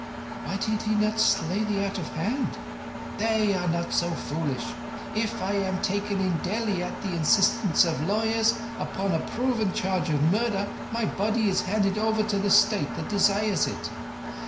"Why did he not slay thee out of hand?" "They are not so foolish. If I am taken in Delhi at the instance of lawyers, upon a proven charge of murder, my body is handed over to the State that desires it.